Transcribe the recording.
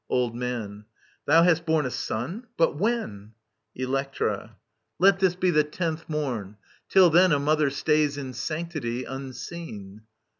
Old Man. Thou hast borne A son ! But when ? Electra. Let this be the tenth morn. Till then a mother stays in sanctity. Unseen.